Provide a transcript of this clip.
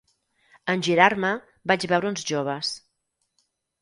En girar-me, vaig veure uns joves